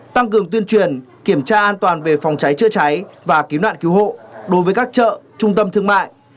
tăng cường tuyên truyền kiểm tra an toàn về phòng cháy chữa cháy và cứu nạn cứu hộ đối với các chợ trung tâm thương mại